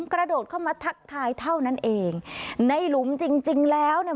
กระโดดเข้ามาทักทายเท่านั้นเองในหลุมจริงจริงแล้วเนี่ย